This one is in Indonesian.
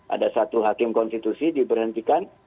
ada satu hakim konstitusi diberhentikan